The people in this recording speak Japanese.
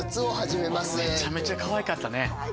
めちゃめちゃ可愛かったね。